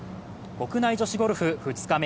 国内女子ゴルフ２日目。